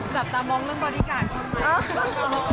จับตามองเรื่องบอดี้การ์ด